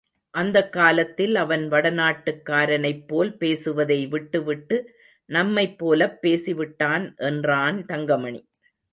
அந்தக் கலக்கத்தில் அவன் வடநாட்டுக் காரனைப் போல் பேசுவதை விட்டுவிட்டு நம்மைப் போலப் பேசிவிட்டான் என்றான் தங்கமணி.